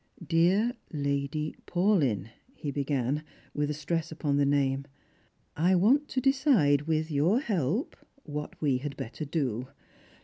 " Dear Lady Paulyn," he began, with a stress upon the name, " I want to decide, with your help, what we had better do.